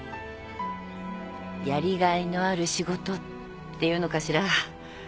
やりがいのある仕事っていうのかしら。